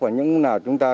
và những lúc nào chúng ta